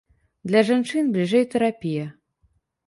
Для жанчын бліжэй тэрапія.